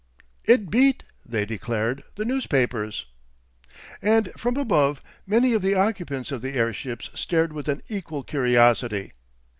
"It beat," they declared, "the newspapers." And from above, many of the occupants of the airships stared with an equal curiosity.